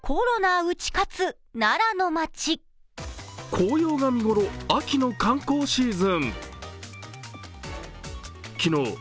紅葉が見頃、秋の観光シーズン。